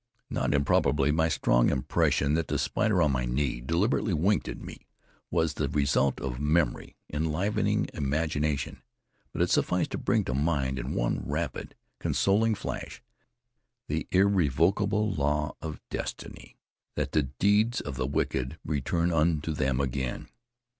Not improbably my strong impression that the spider on my knee deliberately winked at me was the result of memory, enlivening imagination. But it sufficed to bring to mind, in one rapid, consoling flash, the irrevocable law of destiny that the deeds of the wicked return unto them again.